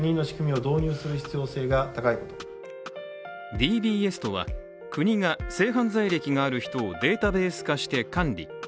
ＤＢＳとは、国が性犯罪歴がある人をデータベース化して管理。